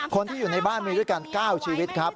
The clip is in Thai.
คนที่อยู่ในบ้านมีด้วยกัน๙ชีวิตครับ